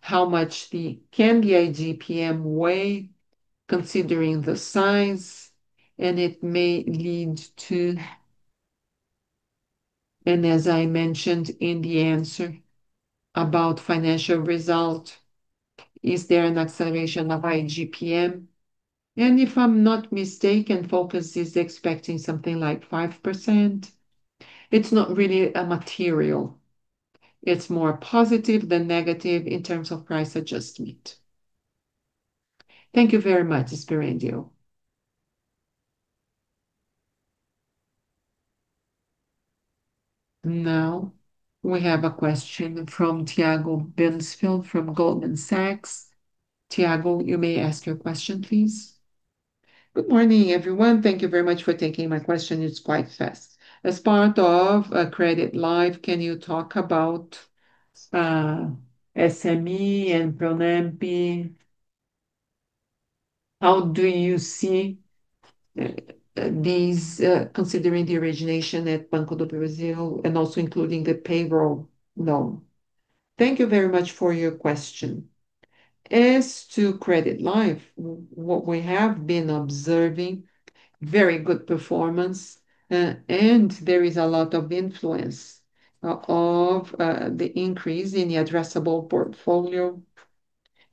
How much can the IGPM weigh considering the size, and it may lead to. As I mentioned in the answer about financial result, is there an acceleration of IGPM. If I'm not mistaken, Focus is expecting something like 5%. It's not really material. It's more positive than negative in terms of price adjustment. Thank you very much, Sperendio. Now we have a question from Tiago Binsfeld from Goldman Sachs. Tiago, you may ask your question, please. Good morning, everyone. Thank you very much for taking my question. It's quite fast. As part of credit life, can you talk about SME and Pronampe? How do you see these considering the origination at Banco do Brasil, and also including the payroll loan? Thank you very much for your question. As to credit life, what we have been observing, very good performance. There is a lot of influence of the increase in the addressable portfolio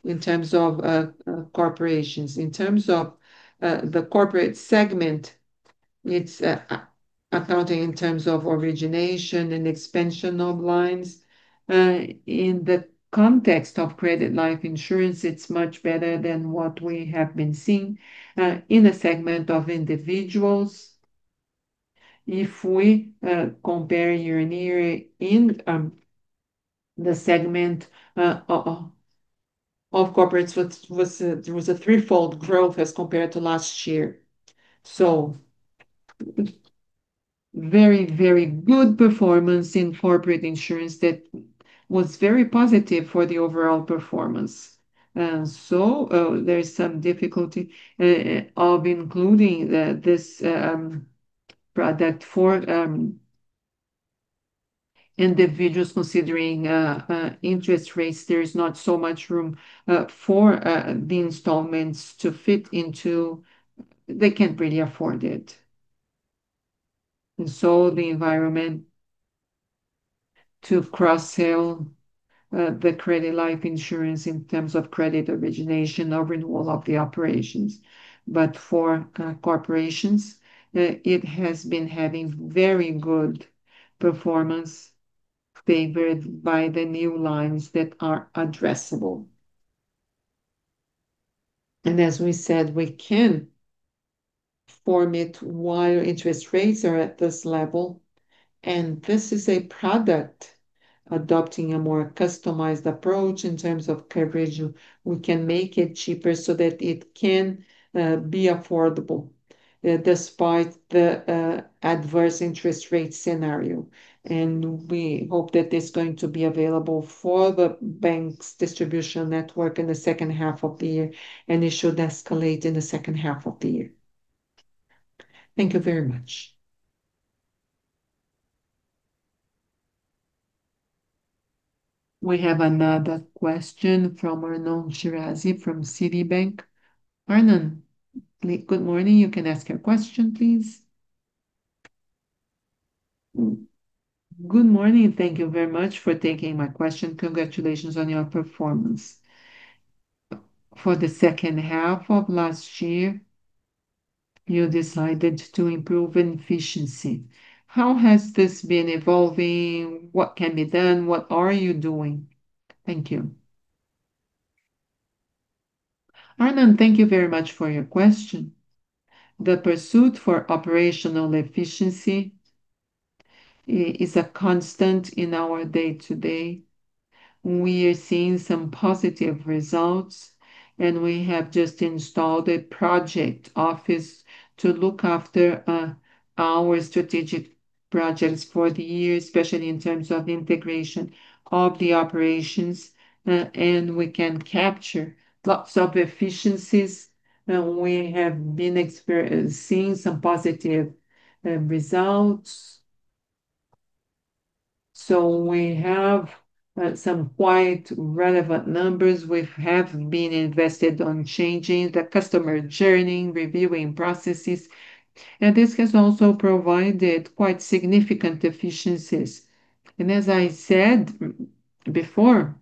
in terms of corporations. In terms of the corporate segment, it's accounting in terms of origination and expansion of lines. In the context of credit life insurance, it's much better than what we have been seeing in the segment of individuals. If we compare year-on-year in the segment of corporates, there was a threefold growth as compared to last year. Very good performance in corporate insurance that was very positive for the overall performance. There is some difficulty of including this product for individuals considering interest rates. There is not so much room for the installments to fit into. They can't really afford it. The environment to cross-sell the credit life insurance in terms of credit origination or renewal of the operations. For corporations, it has been having very good performance favored by the new lines that are addressable. As we said, we can form it while interest rates are at this level. This is a product adopting a more customized approach in terms of coverage. We can make it cheaper so that it can be affordable despite the adverse interest rate scenario. We hope that it's going to be available for the bank's distribution network in the second half of the year, and it should escalate in the second half of the year. Thank you very much. We have another question from Arnon Shirazi from Citibank. Arnon, good morning. You can ask your question, please. Good morning. Thank you very much for taking my question. Congratulations on your performance. For the second half of last year, you decided to improve efficiency. How has this been evolving? What can be done? What are you doing? Thank you. Arnon, thank you very much for your question. The pursuit for operational efficiency is a constant in our day to day. We are seeing some positive results. We have just installed a project office to look after our strategic projects for the year, especially in terms of integration of the operations. We can capture lots of efficiencies. We have been seeing some positive results. We have some quite relevant numbers. We have been invested on changing the customer journey, reviewing processes. This has also provided quite significant efficiencies. As I said before,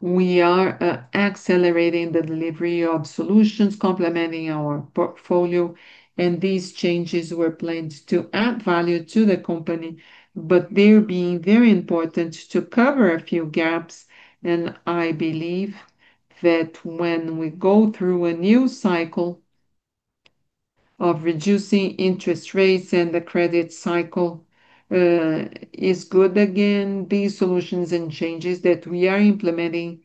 we are accelerating the delivery of solutions complementing our portfolio. These changes were planned to add value to the company. They're being very important to cover a few gaps. I believe that when we go through a new cycle of reducing interest rates and the credit cycle is good again, these solutions and changes that we are implementing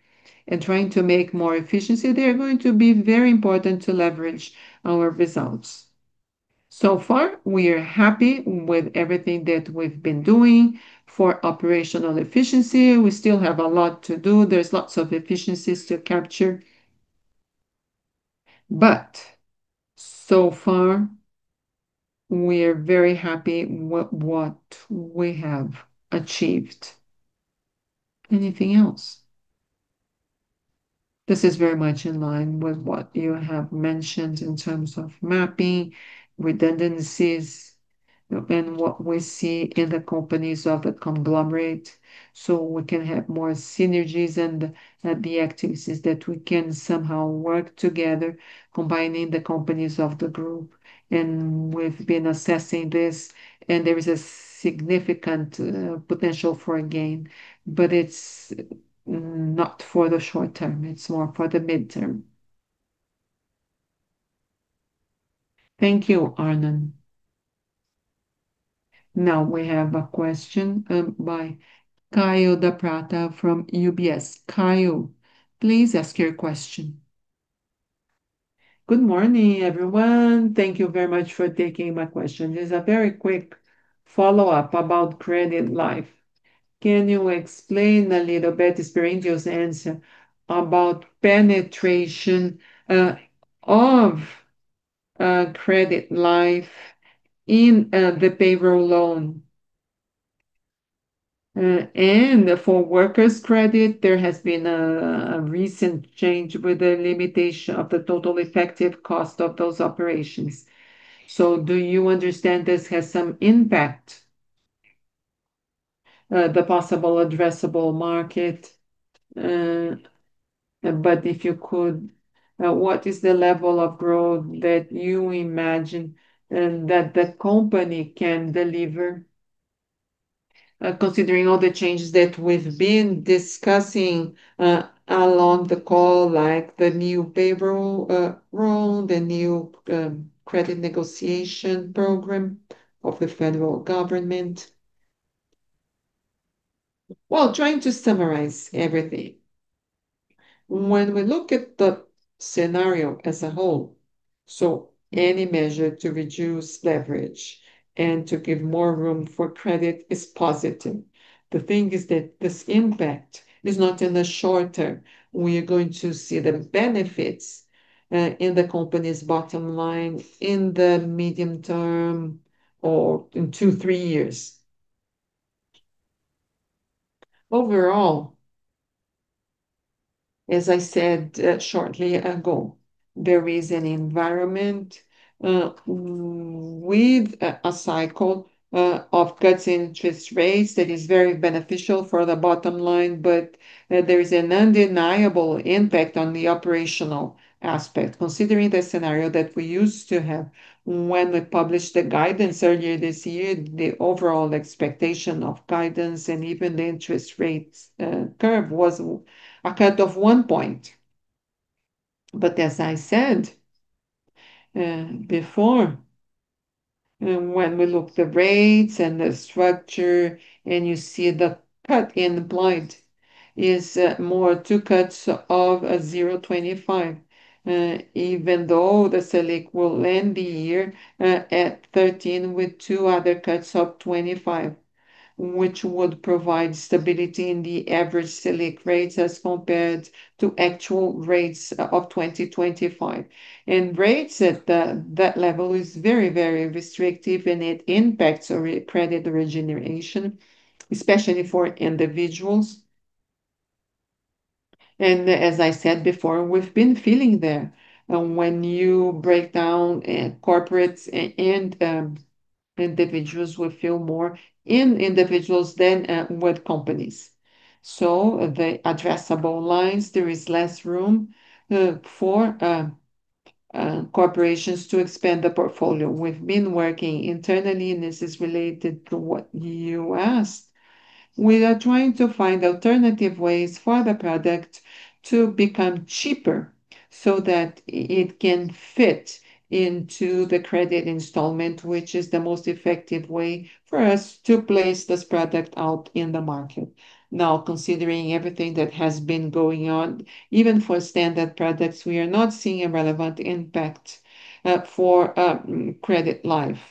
and trying to make more efficiency, they're going to be very important to leverage our results. So far, we are happy with everything that we've been doing for operational efficiency. We still have a lot to do. There's lots of efficiencies to capture. So far, we are very happy what we have achieved. Anything else? This is very much in line with what you have mentioned in terms of mapping redundancies, and what we see in the companies of a conglomerate, so we can have more synergies and the activities that we can somehow work together combining the companies of the group. We've been assessing this, and there is a significant potential for a gain. It's not for the short term, it's more for the midterm. Thank you, Arnon. Now we have a question by Kaio Da Prato from UBS. Kaio, please ask your question. Good morning, everyone. Thank you very much for taking my question. Just a very quick follow-up about credit life. Can you explain a little bit, Sperendio's answer, about penetration of credit life in the payroll loan? For Workers' Credit, there has been a recent change with the limitation of the total effective cost of those operations. Do you understand this has some impact, the possible addressable market? If you could, what is the level of growth that you imagine that the company can deliver, considering all the changes that we've been discussing along the call, like the new payroll rule, the new credit negotiation program of the federal government? Well, trying to summarize everything. When we look at the scenario as a whole, any measure to reduce leverage and to give more room for credit is positive. The thing is that this impact is not in the short term. We are going to see the benefits in the company's bottom line in the medium term or in two, three years. Overall, as I said, shortly ago, there is an environment with a cycle of cuts in interest rates that is very beneficial for the bottom line, but there is an undeniable impact on the operational aspect considering the scenario that we used to have. When we published the guidance earlier this year, the overall expectation of guidance and even the interest rates curve was a cut of 1 point. As I said, before, when we look the rates and the structure and you see the cut in mind is more two cuts of a 0.25, even though the Selic will end the year at 13% with two other cuts of 25, which would provide stability in the average Selic rates as compared to actual rates of 2025. Rates at the, that level is very restrictive, and it impacts credit regeneration, especially for individuals. As I said before, we've been feeling when you break down corporates and individuals, we feel more in individuals than with companies. The addressable lines, there is less room for corporations to expand the portfolio. We've been working internally, and this is related to what you asked. We are trying to find alternative ways for the product to become cheaper so that it can fit into the credit installment, which is the most effective way for us to place this product out in the market. Considering everything that has been going on, even for standard products, we are not seeing a relevant impact for credit life.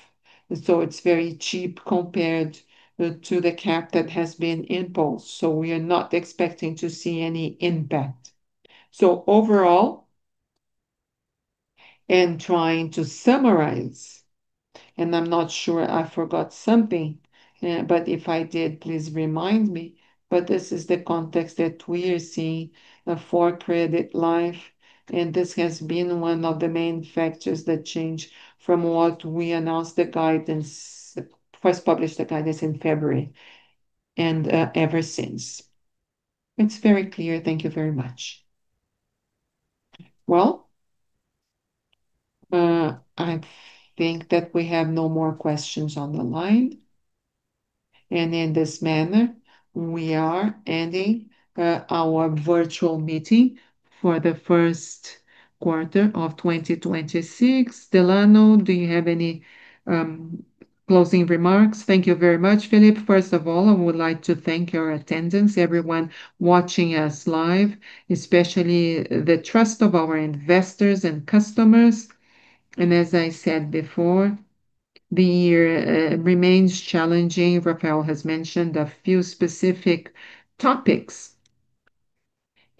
It's very cheap compared to the cap that has been imposed. We are not expecting to see any impact. Overall, trying to summarize, I'm not sure, I forgot something. If I did, please remind me. This is the context that we are seeing for credit life. This has been one of the main factors that change from what we announced the guidance, first published the guidance in February, ever since. It's very clear. Thank you very much. Well, I think that we have no more questions on the line. In this manner, we are ending our virtual meeting for the first quarter of 2026. Delano, do you have any closing remarks? Thank you very much, Felipe. First of all, I would like to thank your attendance, everyone watching us live, especially the trust of our investors and customers. As I said before, the year remains challenging. Rafael has mentioned a few specific topics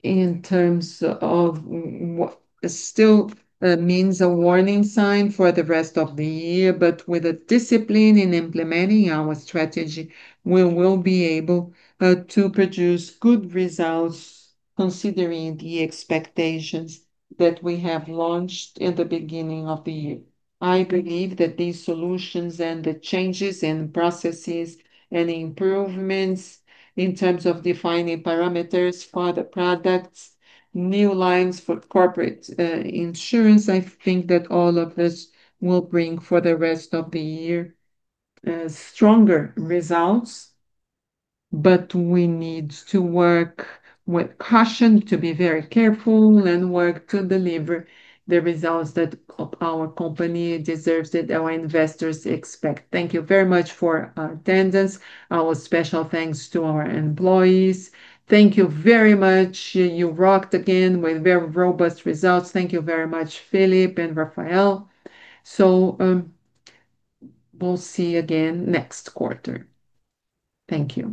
in terms of what still means a warning sign for the rest of the year. With the discipline in implementing our strategy, we will be able to produce good results considering the expectations that we have launched in the beginning of the year. I believe that these solutions and the changes in processes and improvements in terms of defining parameters for the products, new lines for corporate insurance, I think that all of this will bring for the rest of the year stronger results. We need to work with caution to be very careful and work to deliver the results that our company deserves, that our investors expect. Thank you very much for attendance. Our special thanks to our employees. Thank you very much. You rocked again with very robust results. Thank you very much, Felipe and Rafael. We'll see you again next quarter. Thank you.